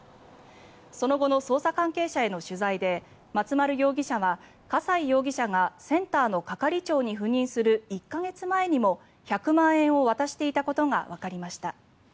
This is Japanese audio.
その後の捜査関係者への取材で松丸容疑者は笠井容疑者がセンターの係長に赴任する１か月前にも１００万円を渡していたことがわかりました。